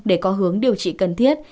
để có hướng điều trị cần thiết